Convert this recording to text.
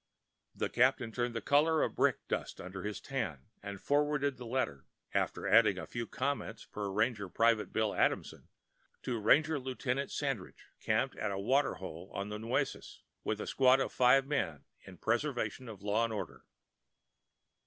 The captain turned the colour of brick dust under his tan, and forwarded the letter, after adding a few comments, per ranger Private Bill Adamson, to ranger Lieutenant Sandridge, camped at a water hole on the Nueces with a squad of five men in preservation of law and order.